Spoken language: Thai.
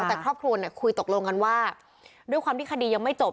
แต่ครอบครัวเนี่ยคุยตกลงกันว่าด้วยความที่คดียังไม่จบ